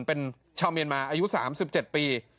เป็นชาวเมียนมาอายุ๓๗ปี